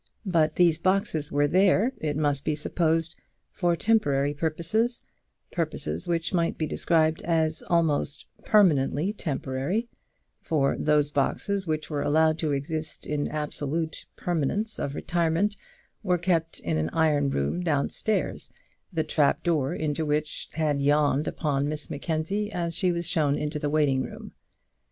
But these boxes were there, it must be supposed, for temporary purposes, purposes which might be described as almost permanently temporary, for those boxes which were allowed to exist in absolute permanence of retirement, were kept in an iron room downstairs, the trap door into which had yawned upon Miss Mackenzie as she was shown into the waiting room.